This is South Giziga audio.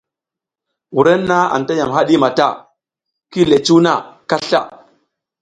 Wurenna anta yam haɗi mata, ki yi le cuw na kasla.